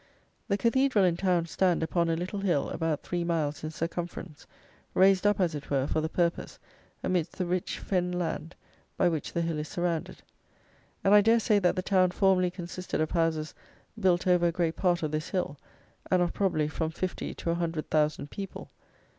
The cathedral and town stand upon a little hill, about three miles in circumference, raised up, as it were, for the purpose, amidst the rich fen land by which the hill is surrounded, and I dare say that the town formerly consisted of houses built over a great part of this hill, and of, probably, from fifty to a hundred thousand people.